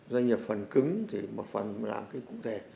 doanh nghiệp phần cứng thì một phần làm cái cụ thể